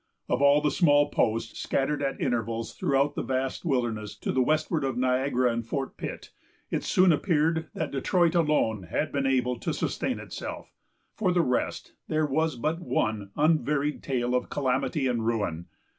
Of all the small posts scattered at intervals through the vast wilderness to the westward of Niagara and Fort Pitt, it soon appeared that Detroit alone had been able to sustain itself. For the rest, there was but one unvaried tale of calamity and ruin.